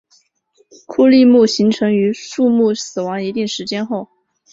枯立木形成于树木死亡一定时间后。